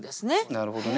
なるほどね。